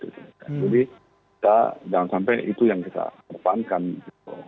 jadi jangan sampai itu yang kita depankan gitu